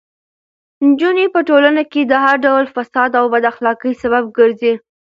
نجونې په ټولنه کې د هر ډول فساد او بد اخلاقۍ سبب ګرځي.